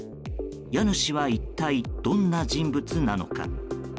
家主は一体、どんな人物なのか。